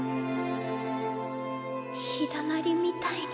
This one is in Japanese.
日だまりみたいに。